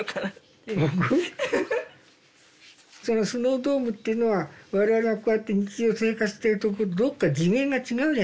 そのスノードームっていうのは我々がこうやって日常生活しているところとどっか次元が違うじゃないですか。